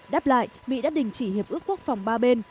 đáp lại mỹ đã đình chỉ hiệp ước quốc phòng ba bên